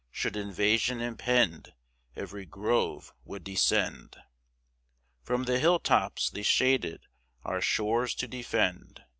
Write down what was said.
Should invasion impend, Every grove would descend, From the hill tops, they shaded, our shores to defend.